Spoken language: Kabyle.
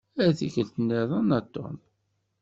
Ar tikkelt-nniḍen a Tom.